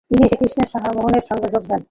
তিনি এসে কৃষ্ণমোহনের সঙ্গে যোগ দেন।